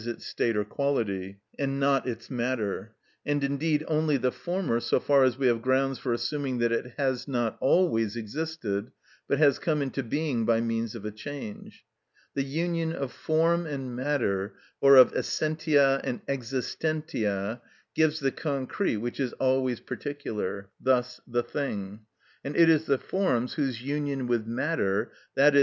_, its state or quality, and not its matter, and indeed only the former so far as we have grounds for assuming that it has not always existed, but has come into being by means of a change. The union of form and matter, or of essentia and existentia, gives the concrete, which is always particular; thus, the thing. And it is the forms whose union with matter, _i.e.